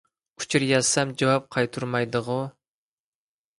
ئۇچۇر يازسام جاۋاب قايتۇرمايدىغۇ.